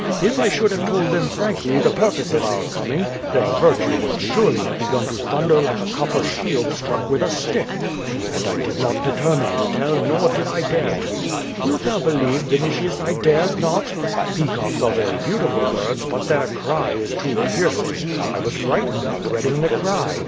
If I should have told them frankly the pur pose of our coming, their virtue would surely have begun to thunder like a copper shield struck with a stick. And I did not determine to tell, nor did I dare to! Wilt thou believe, Vinitius, I dared not? Peacocks are very beautiful birds, but their cry is too piercing. I was frightened, dreading the cry.